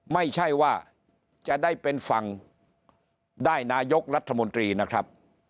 ไม่ใช่ว่าจะได้เป็นฝั่งได้นายกรัฐมนตรีนะครับ